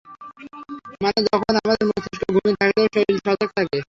মানে যখন আমাদের মস্তিষ্ক ঘুমে থাকলেও শরীর সজাগ থকে।